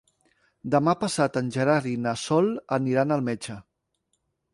Demà passat en Gerard i na Sol aniran al metge.